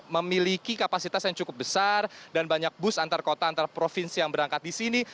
memiliki kapasitas yang cukup besar dan banyak bus antar kota antar provinsi yang berangkat di sini